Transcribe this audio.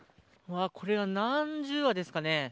これは何十羽ですかね。